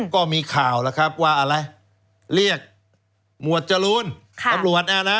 ก็มีข่าวแล้วครับว่าอะไรเรียกหมวดจรูนตำรวจ